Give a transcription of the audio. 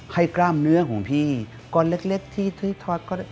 ให้กล้ามเนื้อของพี่ก่อนเล็กที่ทฤทธิ์